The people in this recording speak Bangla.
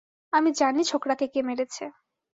আমি জানি ছোকড়াকে কে মেরেছে।